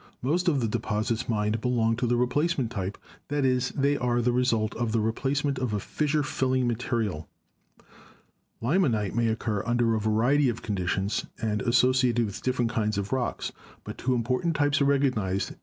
Most of the deposits mined belong to the replacement type ; that is, they are the result of the replacement of a fissure filling material. Limonite may occur under a variety of conditions and associated with different kinds of rocks, but two important types are recognised, viz.